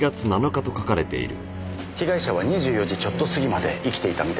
被害者は２４時ちょっと過ぎまで生きていたみたいですねえ。